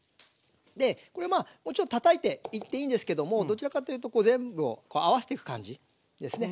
でこれはまあもちろんたたいていっていいんですけどもどちらかというと全部を合わせていく感じですね。